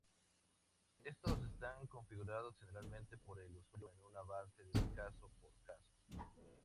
Estos están configurados generalmente por el usuario en una base de caso por caso.